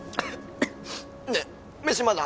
ねっ飯まだ？